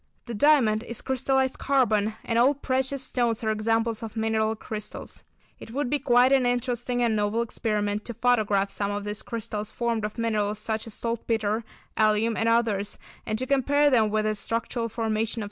The diamond is crystallised carbon, and all precious stones are examples of mineral crystals. It would be quite an interesting and novel experiment to photograph some of these crystals formed of minerals such as saltpetre, alum and others, and to compare them with the structural formation of snow crystals.